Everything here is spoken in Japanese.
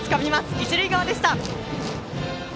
一塁側でした。